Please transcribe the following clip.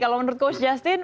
kalau menurut coach justin